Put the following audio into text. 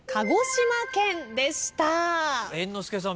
猿之助さん